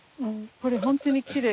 これ本当にきれい。